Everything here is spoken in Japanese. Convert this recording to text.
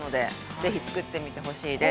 ぜひ作ってみてほしいです。